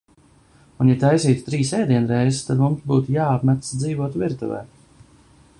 Un ja taisītu trīs ēdienreizes, tad mums būtu jāapmetas dzīvot virtuvē.